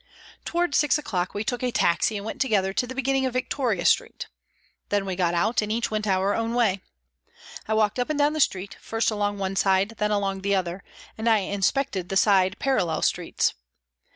Towards six o'clock we took a taxi and went together to the beginning of Victoria Street. Then we got out and each went our own way. I walked up and down the street, first along one side, then along the other, and I inspected the side parallel streets.